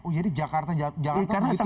oh jadi jakarta begitu